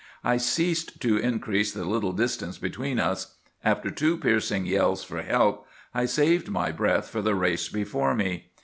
I ceased to increase the little distance between us. After two piercing yells for help, I saved my breath for the race before me.